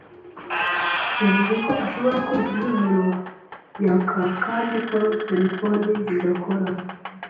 Yavuze ko ashobora kumva impumuro yaka kandi ko terefone zidakora.